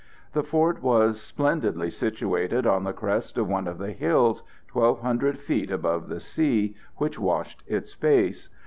The fort was splendidly situated on the crest of one of the hills, 1,200 feet above the sea, which washed its base.